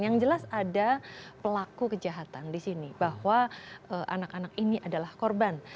yang jelas ada pelaku kejahatan di sini bahwa anak anak ini adalah korban